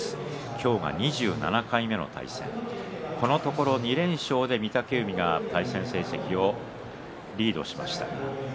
今日が２７回目の対戦このところ２連勝で御嶽海が対戦成績をリードしました。